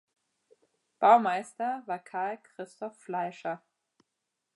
Baumeister war Carl Christoph Fleischer.